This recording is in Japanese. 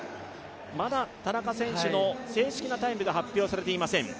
まだ田中選手の正式なタイムが発表されていません。